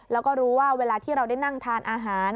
แล้วก็รู้ว่าเวลาที่เราได้นั่งทานอาหาร